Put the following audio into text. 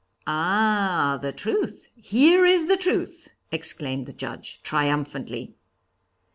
'Ah! the truth! Here is the truth!' exclaimed the Judge, triumphantly.